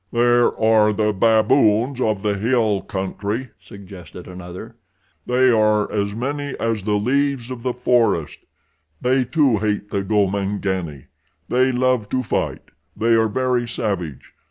"There are the baboons of the hill country," suggested another. "They are as many as the leaves of the forest. They, too, hate the Gomangani. They love to fight. They are very savage.